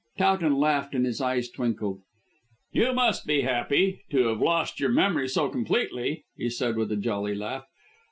Towton laughed and his eyes twinkled. "You must be happy to have lost your memory so completely," he said with a jolly laugh.